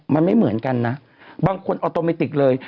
มันไม่เหมือนกันนะบางคนออโตเมติกเลย